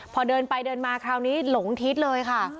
พอเดินไปเดินมาคราวนี้หลงทิศเลยค่ะ